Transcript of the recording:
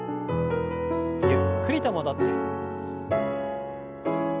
ゆっくりと戻って。